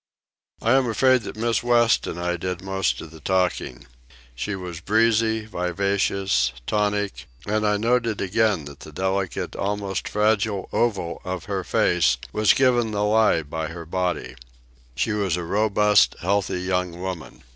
I am afraid that Miss West and I did most of the talking. She was breezy, vivacious, tonic, and I noted again that the delicate, almost fragile oval of her face was given the lie by her body. She was a robust, healthy young woman.